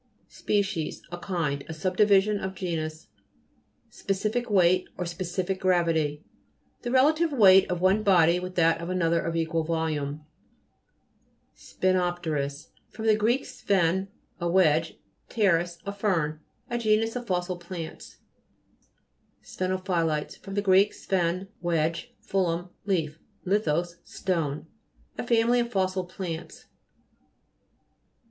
SPECIES A kind ; a subdivision of genus. SPECIFIC "WEIGHT, or SPECIFIC GRA VITY The relative weight of one body with that of another of equal volume. Sp;Eifo'pTERis fr. gr. sphen, a wedge, pteris, a fern. A genus of fossil plants. SPHE'NOPHT'LLITES fr. gr. sphen, wedge, phullon, leaf, lithos, stone. A family of fossil plants.